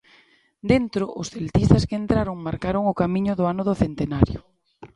Dentro, os celtistas que entraron marcaron o camiño do ano do centenario.